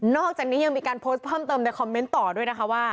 อกจากนี้ยังมีการโพสต์เพิ่มเติมในคอมเมนต์ต่อด้วยนะคะว่า